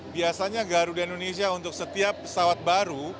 biasanya garuda indonesia untuk setiap pesawat baru